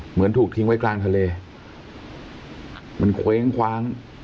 เหมือนถูกทิ้งไว้กลางทะเลมันเคว้งคว้าง